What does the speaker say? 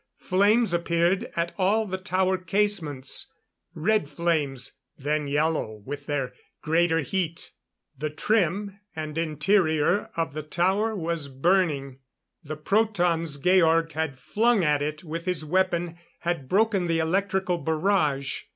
Flames appeared at all the tower casements red flames, then yellow with their greater heat. The trim and interior of the tower was burning. The protons Georg had flung at it with his weapon had broken the electrical barrage.